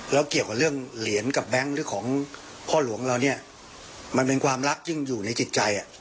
แล้วเกี่ยวกับเรื่องเหรียญกับแบงค์หรือของพ่อหลวงเราเนี่ยมันเป็นความรักยิ่งอยู่ในจิตใจ